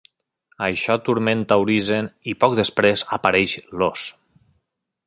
Això turmenta Urizen i poc després apareix Los.